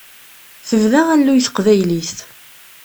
Tebda alluy teqbaylit.